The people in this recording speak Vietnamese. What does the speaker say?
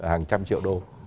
hàng trăm triệu đô